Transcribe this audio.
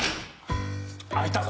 開いたぞ。